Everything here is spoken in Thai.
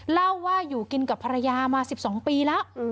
เล่าว่าอยู่กินกับภรรยามา๑๒ปีแล้ว